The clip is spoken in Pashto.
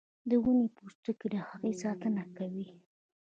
د ونې پوستکی د هغې ساتنه کوي